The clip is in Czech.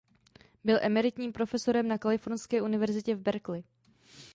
Byl emeritním profesorem na Kalifornské univerzitě v Berkeley.